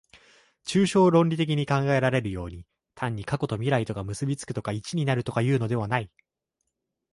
抽象論理的に考えられるように、単に過去と未来とが結び附くとか一になるとかいうのではない。